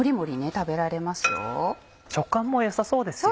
食感も良さそうですよね。